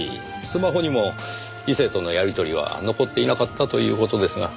スマホにも異性とのやり取りは残っていなかったという事ですが。